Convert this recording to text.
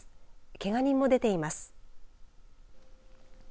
けが人も出ています。